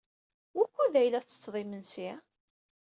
Wukud ay la tettetted imensi?